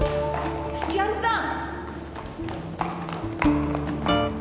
千春さん。